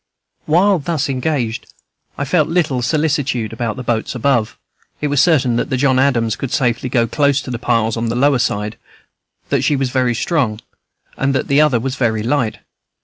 While thus engaged, I felt little solicitude about the boats above. It was certain that the John Adams could safely go close to the piles on the lower side, that she was very strong, and that the other was very light.